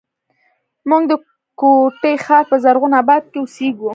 موږ د کوټي ښار په زرغون آباد کښې اوسېږو